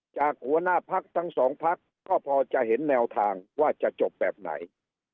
หัวหน้าพักทั้งสองพักก็พอจะเห็นแนวทางว่าจะจบแบบไหน